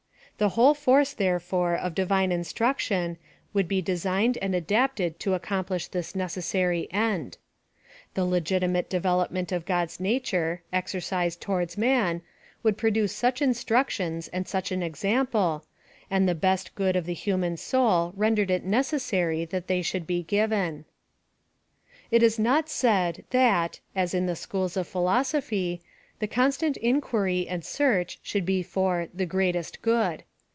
The whole force, therefore, of Divhie instruction, would be designed and adapted to accomplish this necessary end. The legitimate developement of God's natire, exercised towards man, would pro J 44 PHILOSOPHY OF THE d Lice such iustrnctions and such an example; and the best good of the human soul rendered it neces sary that they should be given. It is not said, that, as in the scliools of philoso phy, the constant inquiry and search should be foi the ' greatest good.'